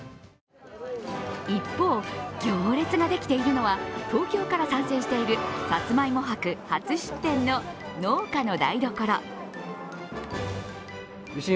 一方、行列ができているのは東京から参戦しているさつまいも博初出店の農家の台所。